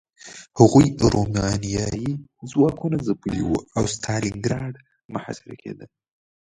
هغوی رومانیايي ځواکونه ځپلي وو او ستالینګراډ محاصره کېده